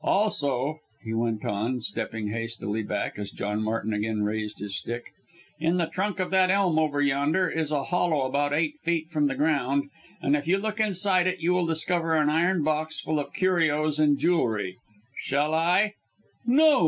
Also," he went on, stepping hastily back as John Martin again raised his stick, "in the trunk of that elm over yonder is a hollow about eight feet from the ground, and if you look inside it, you will discover an iron box full of curios and jewellery. Shall I " "No!"